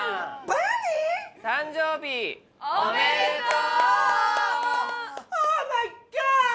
何⁉・おめでとう！